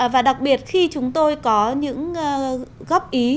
và đặc biệt khi chúng tôi có những góp ý